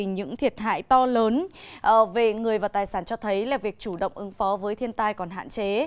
những thiệt hại to lớn về người và tài sản cho thấy là việc chủ động ứng phó với thiên tai còn hạn chế